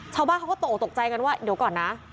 ชาวบ้านเขาก็ตกตกใจกันว่าเดี๋ยวก่อนนะ